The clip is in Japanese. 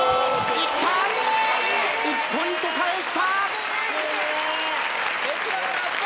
１ポイント返した！